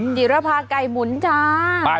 จิรภาไก่หมุนจ้า